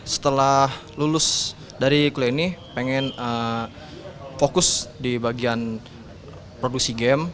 setelah lulus dari kuliah ini pengen fokus di bagian produksi game